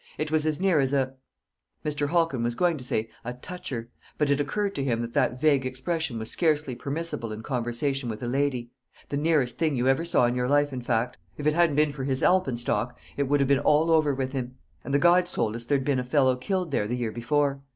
It was as near as a " Mr. Halkin was going to say "a toucher," but it occurred to him that that vague expression was scarcely permissible in conversation with a lady "the nearest thing you ever saw in your life, in fact. If it hadn't been for his alpen stock, it would have been all over with him; and the guides told us there'd been a fellow killed there the year before.